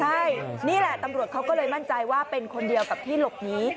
ใช่นี่แหละตำรวจเขาก็เลยมั่นใจว่าเป็นคนเดียวกับที่หลบหนี